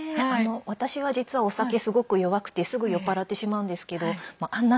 私は実は、お酒すごく弱くてすぐ酔っ払ってしまうんですけどあんな